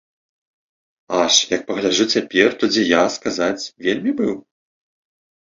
Аж, як пагляджу цяпер, то дзе я, сказаць, вельмі быў?